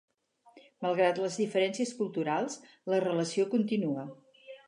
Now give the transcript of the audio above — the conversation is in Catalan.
Malgrat les diferències culturals, la relació continua.